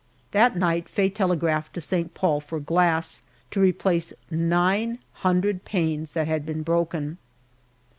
That night Faye telegraphed to St. Paul for glass to replace nine hundred panes that had been broken.